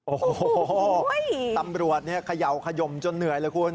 โอ้โหตำรวจเนี่ยเขย่าขยมจนเหนื่อยเลยคุณ